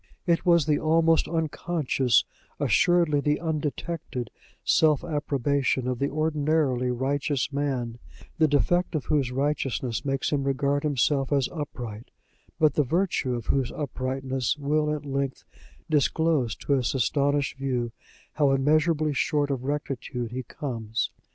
It was the almost unconscious, assuredly the undetected, self approbation of the ordinarily righteous man, the defect of whose righteousness makes him regard himself as upright, but the virtue of whose uprightness will at length disclose to his astonished view how immeasurably short of rectitude he comes.